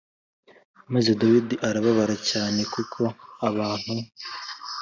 Maze Dawidi arababara cyane kuko abantu